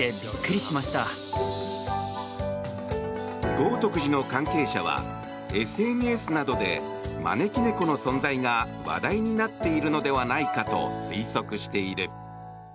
豪徳寺の関係者はＳＮＳなどで招き猫の存在が話題になっているのではないかと推測している。